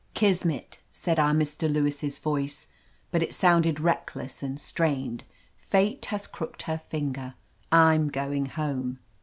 "Kismet," said our Mr. Lewis' voice, but it^ sounded reckless and strained. "Fate has crooked her finger; I'm going home."